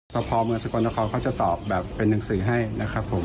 สภาพเมืองสกลนครเขาจะตอบแบบเป็นหนังสือให้นะครับผม